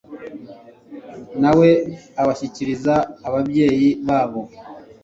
na we abashyikiriza ababyeyi babo